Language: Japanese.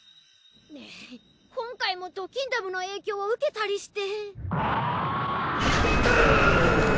うぅ今回もドキンダムの影響を受けたりして。